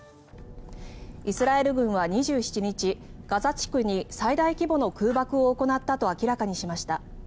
イスラエル軍は２７日ガザ地区に最大規模の空爆を行ったと明らかにしました。